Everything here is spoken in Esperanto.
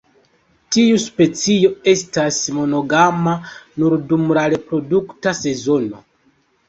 Tiu specio estas monogama nur dum la reprodukta sezono.